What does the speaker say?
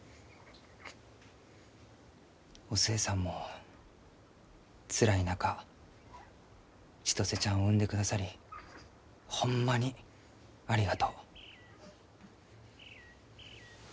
お寿恵さんもつらい中千歳ちゃんを産んでくださりホンマにありがとう。